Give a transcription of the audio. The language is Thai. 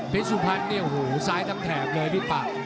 พี่สุมพันธ์เนี่ยโหซ้ายทั้งแถบเลยพี่ปัก